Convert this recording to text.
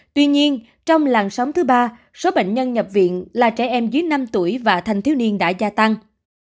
tuy nhiên trong làn sóng thứ ba số bệnh nhân nhập viện là trẻ em dưới năm tuổi và thanh thiếu niên đã gia tăng